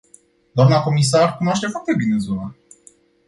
Dna comisar cunoaște foarte bine zona.